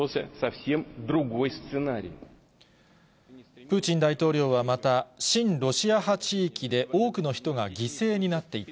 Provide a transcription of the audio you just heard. プーチン大統領はまた、親ロシア派地域で多くの人が犠牲になっていた。